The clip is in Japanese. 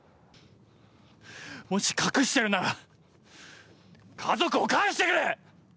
もし隠しているなら家族を返してくれ！